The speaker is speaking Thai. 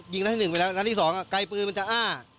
ยิงรถที่๑ไปแล้วรถที่๒ไกลปืนมันจะอ้า